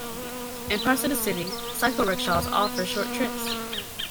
In parts of the city, cycle rickshaws offer short trips.